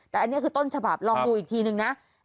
แต่อันนี้คือต้นฉบับลองดูอีกทีนึงนะ